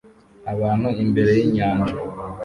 Abantu imbere yinyanja